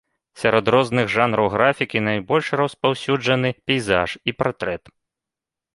Сярод розных жанраў графікі найбольш распаўсюджаны пейзаж і партрэт.